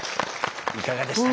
いかがでしたか？